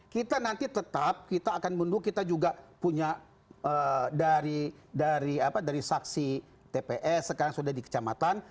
kita nanti tetap kita akan menunggu kita juga punya dari saksi tps sekarang sudah di kecamatan